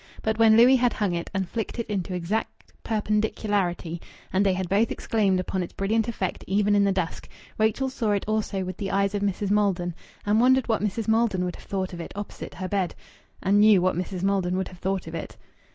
But when Louis had hung it and flicked it into exact perpendicularity, and they had both exclaimed upon its brilliant effect even in the dusk, Rachel saw it also with the eyes of Mrs. Maldon, and wondered what Mrs. Maldon would have thought of it opposite her bed, and knew what Mrs. Maldon would have thought of it.